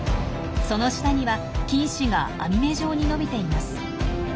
その下には菌糸が網目状に伸びています。